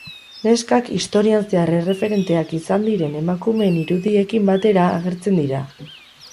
Neskak historian zehar erreferenteak izan diren emakumeen irudiekin batera agertzen dira.